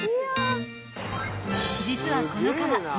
［実はこの皮］